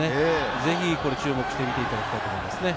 ぜひ注目して見ていただきたいと思います。